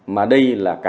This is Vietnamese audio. mà đây là cái